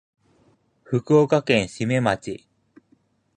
福岡県志免町